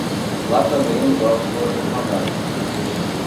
Lá também os ovos foram esmagados.